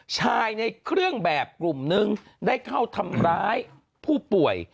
ในเครื่องแบบกลุ่มนึงได้เข้าทำร้ายผู้ป่วย